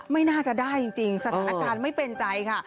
ไม่น่าจะได้จริงสถานการณ์ไม่เป็นใจค่ะ